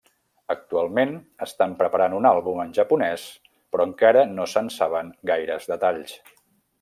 Actualment estan preparant un àlbum en japonès però encara no se’n saben gaires detalls.